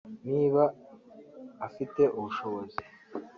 niba afite ubushobozi